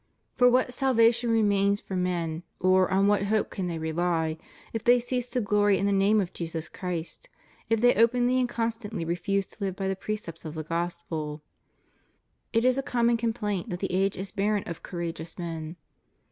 For what salvation remains for men, or on what hope can they rely, if they cease to glory in the name of Jesus Christ, if they openly and constantly refuse to live by the precepts of the Gospel? It is a com mon complaint that the age is barren of courageous men.